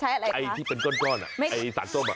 ใช้อะไรคะไอ้ที่เป็นก้นน่ะไอ้สารส้ม